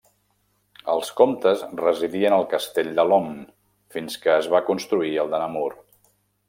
Els comtes residien al castell de Lomme fins que es va construir el de Namur.